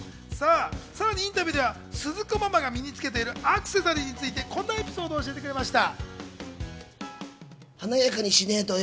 さらにインタビューではすず子ママが身につけているアクセサリーについてこんなエピソードを教えてくれました。